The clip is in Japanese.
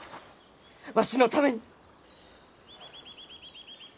わしのために！